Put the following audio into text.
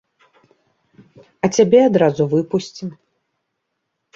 А цябе адразу выпусцім.